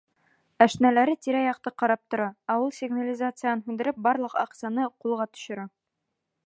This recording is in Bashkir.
Әшнәләре тирә-яҡты ҡарап тора, ә ул сигнализацияны һүндереп, барлыҡ аҡсаны ҡулға төшөрә.